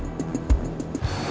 gak ada yang mau ngomong